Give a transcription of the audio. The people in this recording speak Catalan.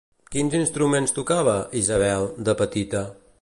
Quins instruments tocava, Isabel, de petita?